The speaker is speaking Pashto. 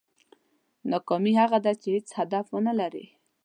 ناکامي هغه ده چې هېڅ هدف ونه لرې.